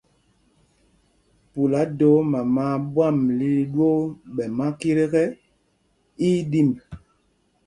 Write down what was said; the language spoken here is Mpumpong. Pula doo mama a ɓwam lil ɗwoo ɓɛ makit ekɛ, í í ɗimb.